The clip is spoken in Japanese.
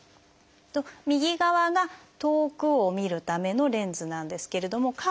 右側が遠くを見るためのレンズなんですけれどもカーブ